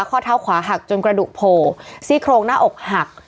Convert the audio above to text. ข้อเท้าขวาหักจนกระดูกโผล่ซี่โครงหน้าอกหัก